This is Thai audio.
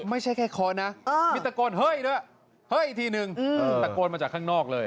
ไม่ใช่แค่ค้อนนะมีตะโกนเฮ้ยด้วยเฮ้ยอีกทีนึงตะโกนมาจากข้างนอกเลย